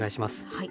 はい。